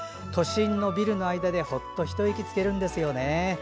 都心のビルの間でほっと一息つけるんですよね。